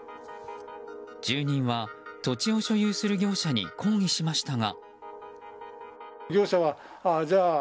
住人は、土地を所有する業者に抗議しましたが。